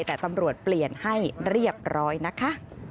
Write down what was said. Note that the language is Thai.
แต่ตำรวจเปลี่ยนให้เรียบร้อยนะคะ